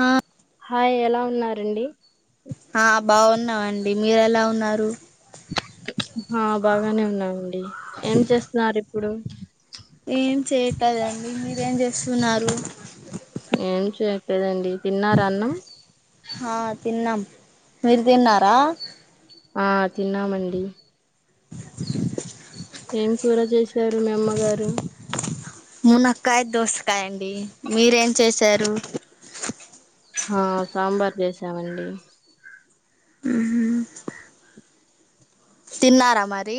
ఆ హాయ్ ఎలా ఉన్నారండి ఆ బాగున్నావండి మీరెలా ఉన్నారు ఆ బాగానే ఉన్నామండి ఏం చేస్తున్నారు ఇప్పుడు ఏం చెయ్యట్దండి మీరేం చేస్తున్నారు ఏం చెయట్లేదండి తిన్నారు అన్నం ఆ తిన్నాం మీరు తిన్నారా ఆ తిన్నామండి ఏం కూర చేశారు మీ అమ్మగారు మునక్కాయ దోసకాయండి మీరేం చేసారు ఆ సాంబార్ చేసామండి తిన్నారా మరి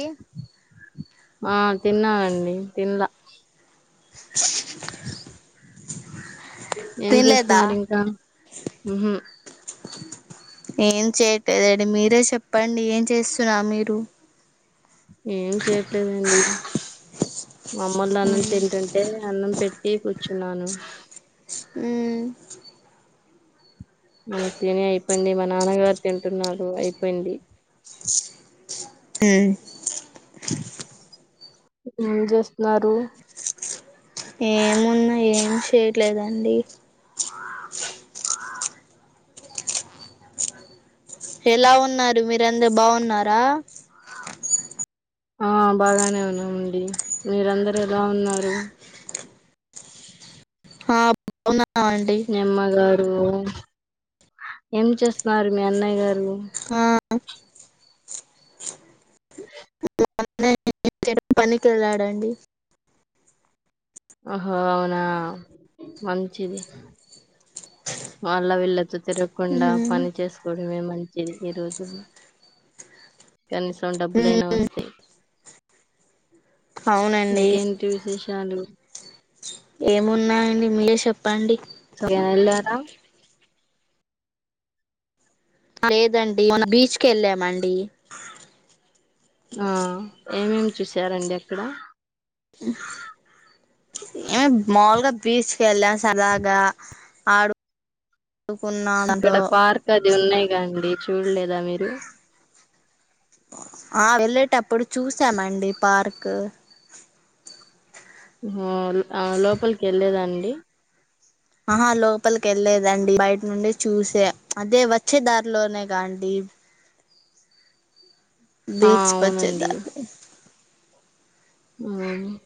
ఆ తిన్నానండి తిన్న ఏం తినలేదా చేస్తున్నారు ఇంకా ఉహు ఏం చేయటలేదండి మీరే చెప్పండి ఏం చేస్తున్నా మీరు ఏం చేయట్లేదండి మామ్మల్లు అన్నం తింటుంటే అన్నం పెట్ ఏ కూర్చున్నాను ఉమ్ తిని అయిపోయింది మా నాన్నగారు తింటున్నారు అయిపోయింది ఉ ఏం చేస్తున్నారు ఏమున్నా ఏం చేయట్లేదండి ఎలా ఉన్నారు మీరందరు బాగున్నారా ఆ బాగానే ఉన్నామండి మీరందరు ఎలా ఉన్నారు హా బాగున్న నిమ్మ గారు ఏం చేస్తున్నారు మీ అన్నయ్య గారు ఆ లేరు పనికి వెళ్ళాడండి ఆహో అవునా మంచిది మాళ్ళ వెళ్ళ తిరగకుండా ఉమ్ పని చేసుకోవడం మేము చెరి ఏ రోజు కనీసం ఉమ్ డబ్బులైనా వస్తాయి అవునండి ఇంకేంటి విశేష చాలు ఏమున్నాయండి మీలే చెప్పండి సే ఎల్లర లేదండి మన బీచ్కి వెళ్ళామండి ఆ ఏమేమి చూసారండి అక్కడ ఏమ మాములుగా బీచ్ ఎల్ల సరదగా ఆరు ఇక్కడ పార్క్ అది ఉన్నాయిగాండి చూడ్ లేదా మీరు ఆ వెళ్ళేటప్పుడు చూసామండి పార్క్ హ్మ్ అ లోపలికి వెళ్ళలేదాండి ఆహా లోపల్ వేళ్ళలేదండి బయట నుండే చూస అదే వచ్చే దారిలోనే కా అండి ఆ బీచ్ పచ్చే అవునండి దాబ అ చూస్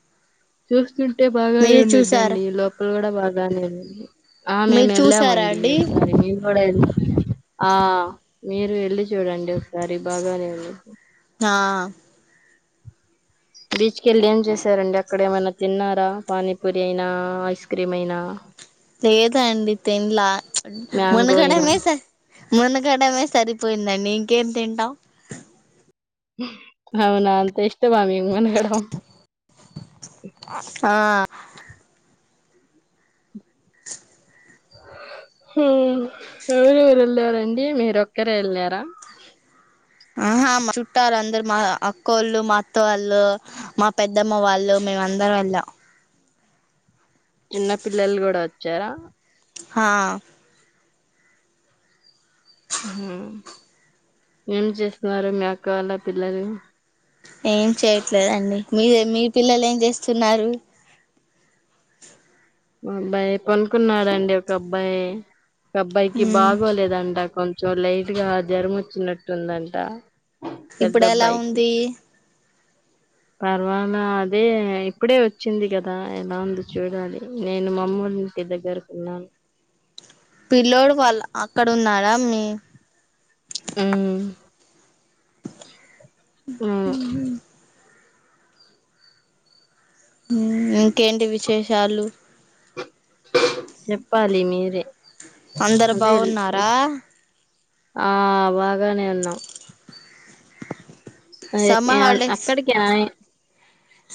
చూస్తుంటే ట బాగానే మీరు చూసారా ఉండద్దండి లోపల కూడా బాగానే ఉది ఆ మేము మీరు చూసారా వెళ్ళామండి అండి ఒకసారి కూడా వెళ్లి ఆ మీరు వెళ్ళి చూడండి సారి ర బాగానేఉంది ఆ బిచ్కెళ్ళి ఏం చేసారండి అక్కడ ఏమైనా తిన్నారా పానీపూరి అయినా ఐస్ క్రీమ్ అయినా లేదా అండి తెన్లా మ్యాంగో అయినా మునుగడమే స మునుగడమే సరిపోయిందండి నీ గేమ్ తింటా అవునా అంత ఇష్టమా మికు మన ఆ [inaudible] హ ఎవరెవరు వెళ్ళారండి మీరు ఒక్కరే వెళ్ళారా ఆహా మా చుట్టారు అందరు మా అక్కో వాళ్ళు మా అత్త వాళ్ళు మా పెద్దమ్మ వాళ్ళు మేమ అందరం వెళ్ళం చిన్న పిల్లలు కూడా వచ్చారా హా ఏం చేస్తున్నారు మీ అక్క అళ పిల్లలు ఏం చేయట్లేదండి మీరే మీ పిల్లలు ఏం చేస్తున్నారు అబ్బాయి పనుకున్నాడండి ఒక అబ్బాయి అబ్బాయికి ఉమ్ బాగోలేదండ కొంచెం లైట్ గా జ్వరం వచ్చినట్టుందంట పెద్ద ఇప్పుడు ఎలా అబ్బాయికి ఉంది పర్వాలా అదే ఇప్పుడే వచ్చింది కదా ఎలా ఉంది చూడాలి నేను మమ్మోలింటి దగ్గరున్నాను పిల్లోడు వాళ్ళ అక్కడ ఉన్నాడా మీ ఉమ్ ఉమ్ ఇంకేంటి విశేష్ షాలు చెప్పాలి మీర్ రే అందరు బాగున్నారా ఆ బాగానేే ఉన్నాం సమ్మర్ హాలిడేస్ అక్కడికా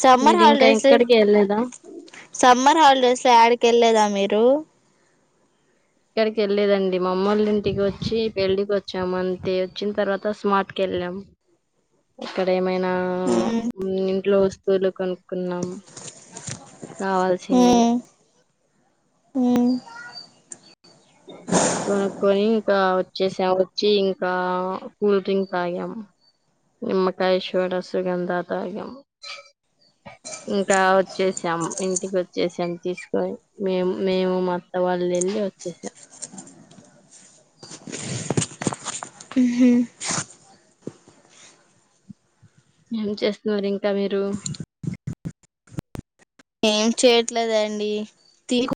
సమ్మర్ హాలిడేస్ వెళ్ళలేదా సమ్మర్ హాలిడేస్ లో యాడ్కెళ్లేదా మీర్ టూ ఎక్కడికి వెళ్ళలేదండి మామ్మోళ్ళింటికి వచ్చి పెళ్ళికి వచ్చాము అంతే వచ్చిన తర్వాత స్మార్ట్ కి వెళ్ళాం అక్కడ ఏమై నా ఇంట్లో చలు కొనుక్కున్నాం కావాల్సినయ్ ఉమ్ కొనుక్కొని ఇంకా వచ్చేసా వచ్చి ఇంకా కూల్డ్రింక్ తాగాము నిమ్మకాయశోడ సుగంధ తాగాము ఇంకా వచ్చేసాం ఇంటికి వచ్చేసాం తీసుకొని మేము మేము మాత్త వాళ్ళు వెళ్ళి వచ్చేసాం ఏం చేస్తున్నారు ఇంకా మీరు ఏం చేయట్లేదండి తీకు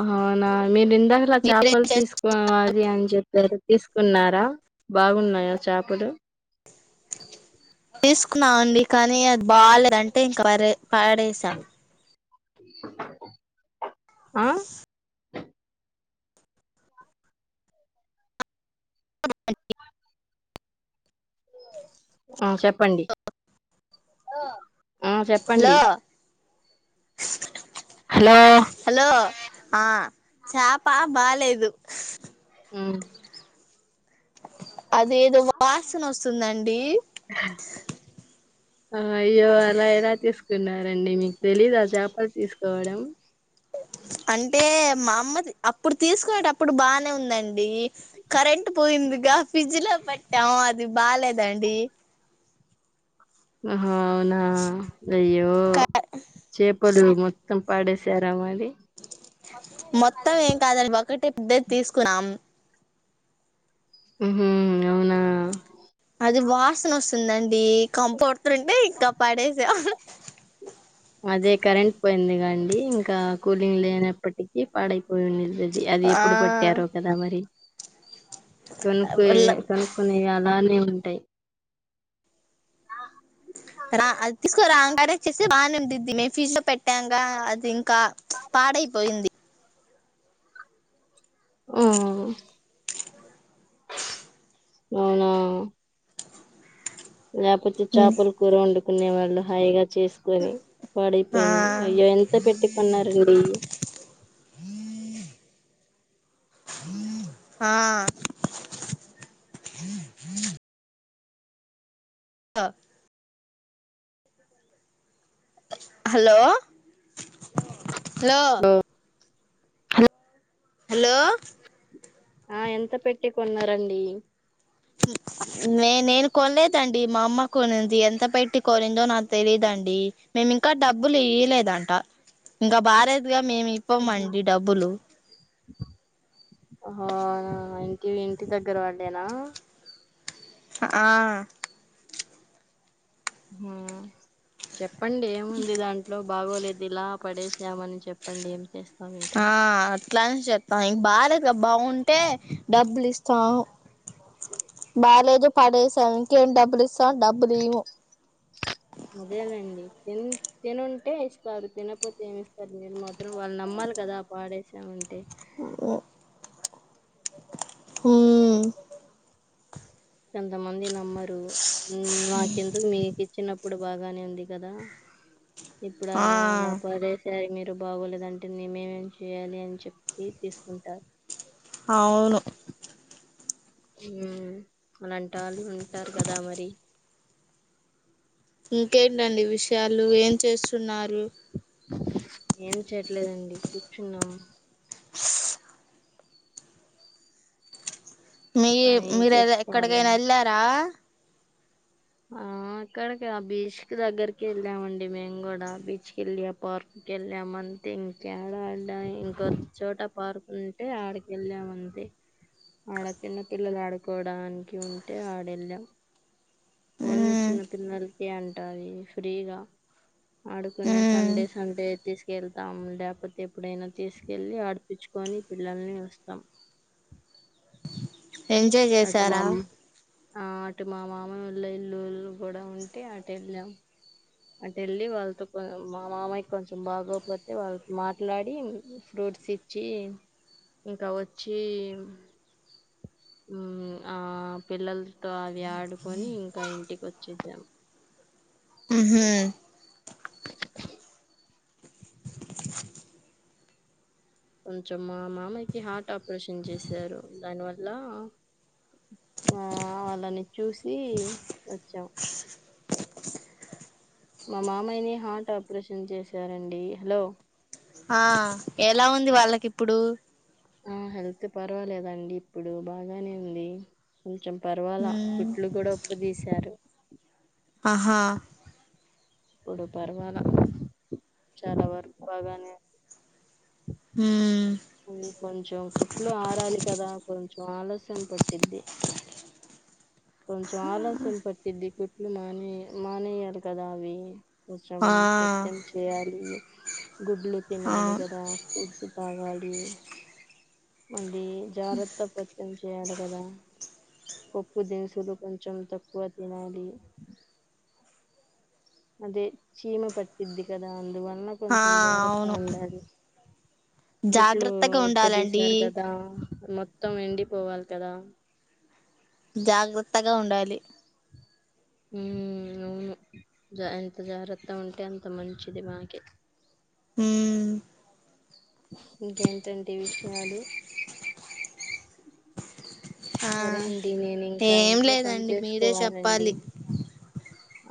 అవునా ఇందకలా చాపలు తీసుకో అది అని చెప్ దర తీసుకున్నారా బాగున్నాయా చాపలు తీసుకున్నామండి కానీ అది బాగాలేద్ అంటే ఇంకా వరే పాడేసా ఆ [inaudible] ఆ చెప్పండి ఆ చెప్పండి హలో హలో హలో ఆ చాప బాలేదు ఉమ్ అది ఏదో వాసన వస్తుందండి ఆ అయ్యో అలా ఎలా చేస్ కున్నారండి మీకు తెలీదు ఆ చేపలు తీసుకోవడం అంటే మా అమ్మ అప్పుడు తీసుకునేటప్పుడు బానే ఉందండి కరెంట్ పోయిందిగా ఫ్రిడ్జ్ లో పెట్టాం అది బాలేదండి ఆ హా అవునా అయ్యో చేపలు మొత్తం పాడే స్ శరమది మొత్తం ఎం కాదాలు బాకట్ డ్ దే తీసుకున్నాం హూ ఉమ్ అవునా అది వాసన వస్ వస్తుందండి కంప కొడుతుంటే ఇంకా పాడేసా అదే కరెంట్ పోయింది గా అండి ఇంకా కూలింగ్ లేనప్పటికీ పాడై పో నిది అది ఎప్పుడు ఆ పట్టారో కదా మరి కొనుకు కనుకుని అలానే ఉ టై రా అది తీసుకు రాంగానే చేస్తే బాగానేంటద్ది మేము ఫీజ్ లో పెట్టాక అది ఇంకా పాడైపోయింది హూ హు అవునా లేకపోతే చాపల కూర ఉండు కునే వాళ్ళు హైగా చేసుకొని ఆ పాడైపోయింది అయ్యో ఎంత పెట్టీకోన్నారండి ఆ ఆ హలో హాలో హలో ఆ ఎంత పెట్టి కొన్నారంండి నే నేను కొనలేదండి మా అమ్మ కొనిది ఎంత పెట్టి కొనిందో నా తెలీదండి మేమి ఇంకా డబ్బులు ఇయలేదంట ఇంకా బారే ద్ గా మేము ఇవ్వమండి డబ్బులు ఆ హో ఇంటి ఇంటి దగ్గర పడ్డేనా ఆ మా చెప్ చెప్పండి ఏముంది దాంట్లో బాగోలేదు ఇలా పడేసామని చెప్పండి ఏం చేస్త ఆ అట్లనే చేప ఇంకా బాలేదుగా బాగుంటే డబ్బులు ఇస్తాం బాలేదు పడే క ఇంకేం డబ్బులు ఇస్తాం డబ్బులు ఈము త తినుంటే ఇస్తారు తినపోతే ఏమి ఇస్తారు మీరు మాత్రం వాళ్ళు నమ్మాలి కదా పాడేసామంటే ఆ మ్మ్ కొంతమంది నమ్మరు నాకెందుకు మీకు ఇచ్చిన ఇప్పుడు బాగానే ఉంది కదా ఇప్పుడు ఆ అలా పడేసారు మీర్ బాగోలేదంటే మేమేం చేయాలి అని చెప్పి తీసుకుంటారు అవును మ్మ్ అలాంటి వాళ్ళు ఉంటారు కదా మరి ఇంకేంటండి ఈ విషయం చాలు ఏం చేస్తున్నారు రు ఏం చేయట్లేదండి కూర్చున్నాము మీ పని మీరు ఎక్కడికైనా చేసుకోవాలని వెళ్ళారా ఆ అక్కడికి ఆ బీచ్ క దగ్గరికి వెళ్ళామండి మేము కూడా బీచ్కి వెళ్ళి ఆ పార్క్కి వెళ్ళామ అంతే ఇంకా ఏడ ఆడా ఇంకొ చోట పార్క్ ఉంటే ఆడకి వెళ్ళామ అంతే ఆడ చిన్న పిల్లలు ఆడుకోడానికి ఉంటే ఆడ వెళ్ళాం ఓన్లీ ఉమ్ చిన్న పిల్లలకే అంట అది ఫ్రీగా ఆడుకుని సండే సండే తీసుకెళ్తాం లేకపోతే ఎప్పుడైనా తీసుకెళ్ళి ఆడిపచ్చుకొని పిల్లల్ని వస్తాం ఎంజాయ్ అటు మా చేసారా ఆ అటు మా మామయ వాళ్ళ ఇల్లు కూడా ఉంటే అటు వెళ్ళాం అటు వెళ్ళి వాళ్ళతో మా మామయ కొంచెం బాగోపోతే వాళ్ళతో మాట్లాడి ఫ్రూట్స్ ఇచ్చి ఇంకా వచ్చి ఆ పిల్లలతో అవి ఆడుకొని ఇంకా ఇంటికి వచ్చేసాం ఉహు కొంచెం మా మామయ్యకి హార్ట్ ఆపరేషన్ చేసారు దానివల్ల ఆ వాళ్ళని చూసి వచ్చాం మా మామయ్యని హార్ట్ ఆపరేషన్ చేశారండి హలో ఆ ఎలా ఉంది వాళ్ళకి ఇప్పుడు ఆ హెల్త్ పర్వాలేదండి ఇప్పుడు బాగానే ఉంది కొంచెం పర్వాలా ఉమ్ కుట్లు కూడా ఉప్పుదీశారు ఆహా ఇప్పుడు పర్వాల చాలా వరకు బాగానే ఉమ్ అవి కొంచెం కుట్లు ఆరాలి కదా కొంచెం ఆలస్యం పట్టిద్ది కొంచెం ఆలస్యం పట్టిద్ది కుట్లు మానే మానేయాలి కదా అవి ఆ [unintelligible] పత్యం చేయాలి గుడ్లు ఆ తినాలి కదా ఫుడ్స్ తాగాలి మళ్ళీ జాగ్రత్త పతం చేయాలి కదా ఉప్పు దినుసులు కొంచెం తక్కువ తినాలి అదే చీమ పట్టిద్ది కదా అందువల ఆ కొంచెం జరత్త అవును ఉండాలి కుట్లు జాగ్రత్తగా ఉండాలండి ఇపదిసారు కదా మత్త మొత్తం ఎండిపోవాలి కదా జాగ్రత్తగా ఉండాలి అవును ఎంత జాగ్రత్త ఉంటే అంత మంచిది మాకె ఉమ్ ఇంకేంటంటే విషయాలు సరే అండి నేను ఇం ఏం లేదండి మీరే చెప్పాలి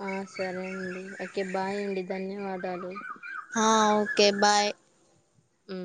ఆ సరే అండి ఓకే బాయ్ అండి ధన్యవాదాలు హా ఓకే బాయ్ మ్